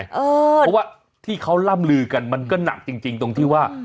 เพราะว่าที่เขาล่ำลือกันมันก็หนักจริงตรงที่ว่า